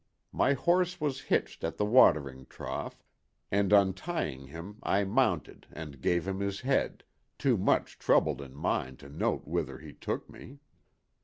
My horse was hitched at the watering trough, and untying him I mounted and gave him his head, too much troubled in mind to note whither he took me.